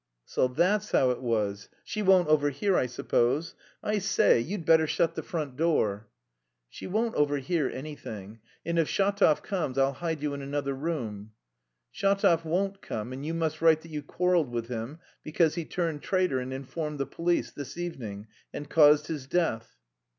"So that's how it was.... She won't overhear, I suppose? I say, you'd better shut the front door." "She won't overhear anything. And if Shatov comes I'll hide you in another room." "Shatov won't come; and you must write that you quarrelled with him because he turned traitor and informed the police... this evening... and caused his death."